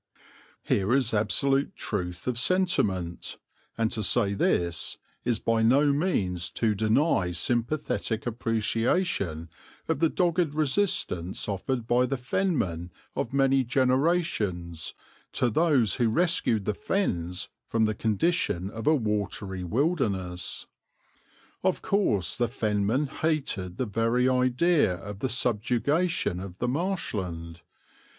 '" Here is absolute truth of sentiment, and to say this is by no means to deny sympathetic appreciation of the dogged resistance offered by the Fenmen of many generations to those who rescued the Fens from the condition of a watery wilderness. Of course the Fenmen hated the very idea of the subjugation of the Marshland.